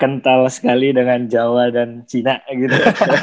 kental sekali dengan jawa dan cina gitu